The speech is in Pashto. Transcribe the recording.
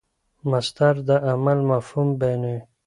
مصدر د عمل مفهوم بیانوي.